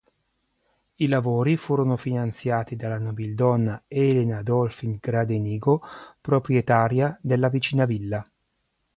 I lavori furono finanziati dalla nobildonna Elena Dolfin Gradenigo, proprietaria della vicina villa.